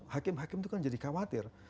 hakim hakim itu kan jadi khawatir